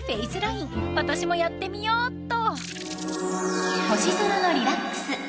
［私もやってみようっと］